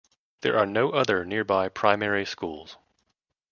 There are no other nearby primary schools.